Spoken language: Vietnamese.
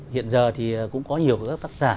hiện giờ thì cũng có nhiều các tác giả